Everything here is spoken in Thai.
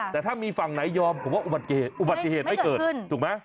แต่ถ้ามีฝั่งไหนยอมผมว่าอุบัติเหตุไม่เกิดถูกไหม